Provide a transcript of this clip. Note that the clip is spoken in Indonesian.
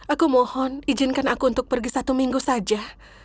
aku mohon izinkan aku untuk pergi satu minggu saja